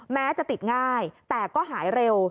แม้จะติดง่ายแต่ก็หายเร็ว